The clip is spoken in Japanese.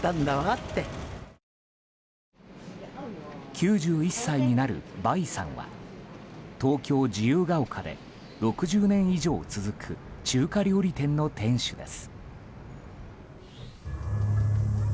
９１歳になる梅井さんは東京・自由が丘で６０年以上続く中華料理店の店主です。